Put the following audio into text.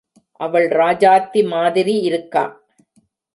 அவள் ராஜாத்தி மாதிரி இருக்கா.